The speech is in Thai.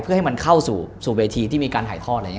เพื่อให้มันเข้าสู่เวทีที่มีการหายทอด